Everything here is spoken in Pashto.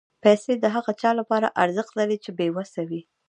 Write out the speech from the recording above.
پېسې د هغه چا لپاره ارزښت لري چې بېوسه وي.